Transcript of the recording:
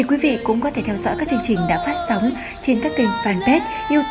xin chào tạm biệt và hẹn gặp lại